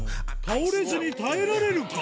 倒れずに耐えられるか？